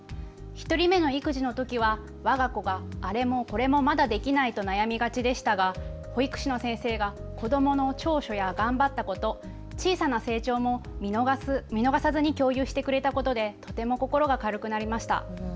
１人目の育児のときはわが子があれもこれもまだできないと悩みがちでしたが保育士の先生が子どもの長所や頑張ったこと、小さな成長も見逃さずに共有してくれたことでとても心が軽くなりました。